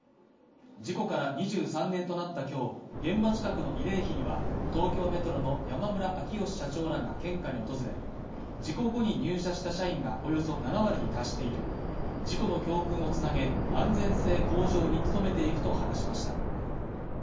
事故から２３年となった今日、現場近くの慰霊碑には東京メトロの山村明義社長らが献花に訪れ、事故後に入社した社員がおよそ７割に達している事故の教訓を繋げ、安全性向上に努めていくと話しました。